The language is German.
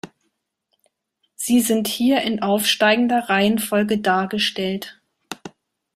Sie sind hier in aufsteigender Reihenfolge dargestellt.